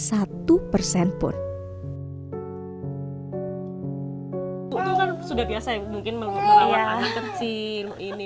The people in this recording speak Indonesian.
bagaimana perasaan ibu saat melawat kartini